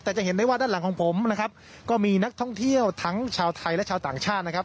แต่จะเห็นได้ว่าด้านหลังของผมนะครับก็มีนักท่องเที่ยวทั้งชาวไทยและชาวต่างชาตินะครับ